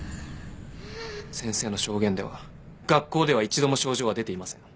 先生の証言では学校では一度も症状は出ていません。